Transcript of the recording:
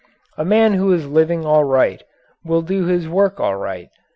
A man who is living aright will do his work aright.